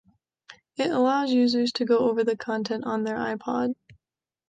It allows users to go over the content on their iPod.